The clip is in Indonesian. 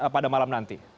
pada malam nanti